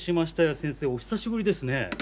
先生お久しぶりですね。